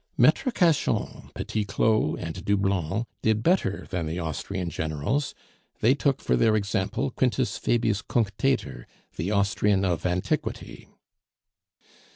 Maitre Cachan, Petit Claud, and Doublon, did better than the Austrian generals; they took for their example Quintus Fabius Cunctator the Austrian of antiquity.